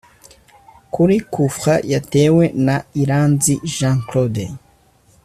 kuri Coup Franc yatewe na Iranzi Jean Claude